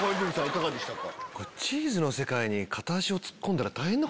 いかがでしたか？